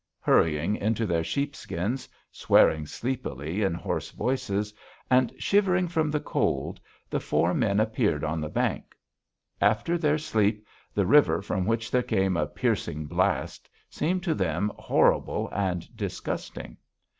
Hurrying into their sheepskins, swearing sleepily in hoarse voices, and shivering from the cold, the four men appeared on the bank. After their sleep, the river from which there came a piercing blast, seemed to them horrible and disgusting.